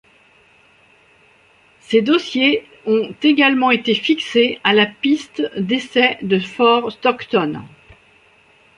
Ces dossiers ont également été fixés à la piste d'essai de Fort Stockton.